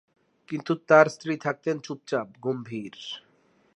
কিন্তু তার স্ত্রী থাকতেন চুপচাপ, গম্ভীর।